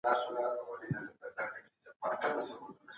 خدايه !نه مړ كېږم او نه ګران ته رسېدلى يـم